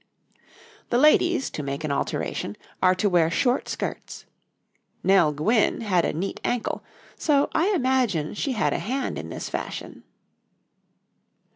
}] The ladies, to make an alteration, are to wear short skirts. Nell Gwynne had a neat ankle, so I imagine she had a hand in this fashion.